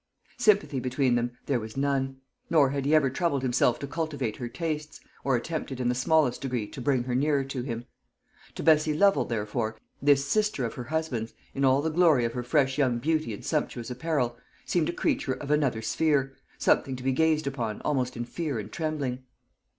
Sympathy between them there was none; nor had he ever troubled himself to cultivate her tastes, or attempted in the smallest degree to bring her nearer to him. To Bessie Lovel, therefore, this sister of her husband's, in all the glory of her fresh young beauty and sumptuous apparel, seemed a creature of another sphere, something to be gazed upon almost in fear and trembling.